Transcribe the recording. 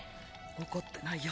怒ってないよ。